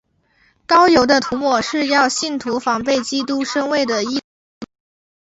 膏油的涂抹是要信徒防备基督身位的异端教训。